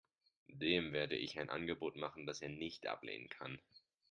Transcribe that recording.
Dem werde ich ein Angebot machen, das er nicht ablehnen kann.